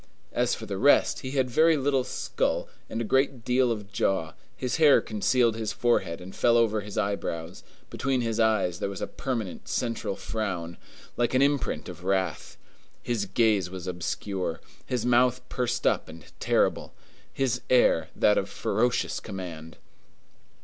As for the rest, he had very little skull and a great deal of jaw; his hair concealed his forehead and fell over his eyebrows; between his eyes there was a permanent, central frown, like an imprint of wrath; his gaze was obscure; his mouth pursed up and terrible; his air that of ferocious command.